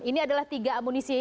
ini adalah tiga amunisi